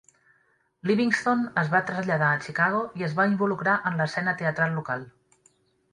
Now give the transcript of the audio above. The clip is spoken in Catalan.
Livingston es va traslladar a Chicago i es va involucrar en l'escena teatral local.